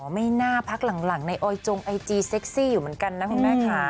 ไม่น่าพักหลังในออยจงไอจีเซ็กซี่อยู่เหมือนกันนะคุณแม่ค่ะ